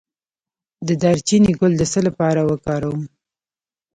د دارچینی ګل د څه لپاره وکاروم؟